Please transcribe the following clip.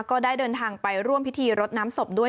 ก็ได้เดินทางไปร่วมพิธีรดน้ำศพด้วย